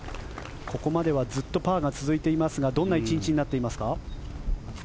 ここまではずっとパーが続いていますがどんな１日になっていますか？